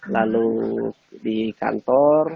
lalu di kantor